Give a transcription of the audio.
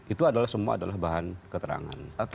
itu adalah semua adalah bahan keterangan